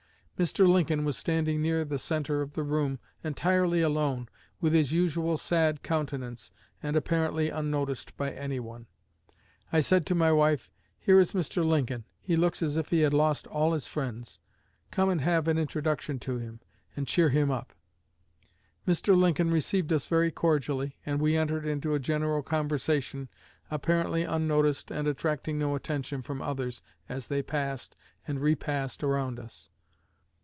Mr. Lincoln was standing near the centre of the room, entirely alone, with his usual sad countenance, and apparently unnoticed by anyone. I said to my wife, 'Here is Mr. Lincoln; he looks as if he had lost all his friends; come and have an introduction to him, and cheer him up.' Mr. Lincoln received us very cordially, and we entered into a general conversation, apparently unnoticed, and attracting no attention from others as they passed and repassed around us.